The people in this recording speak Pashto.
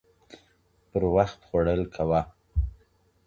پر وخت خوړل کوه